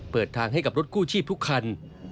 เปิดทางให้กับรถกู้ชีพทุกคัน